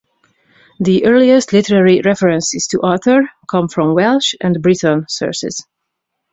The earliest literary references to Arthur come from Welsh and Breton sources.